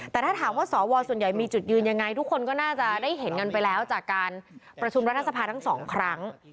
แต่ถ้าถามว่าสวส่วนใหญ่มีจุดยืนยังไงทุกคนก็น่าจะได้เห็นกันไปแล้วจากการประชุมรัฐสภาทั้งสองครั้ง